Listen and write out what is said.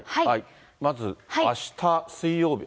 まずあした水曜日。